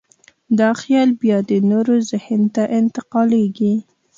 دا خیال بیا د نورو ذهن ته انتقالېږي.